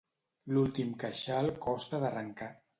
L'últim queixal costa d'arrencar.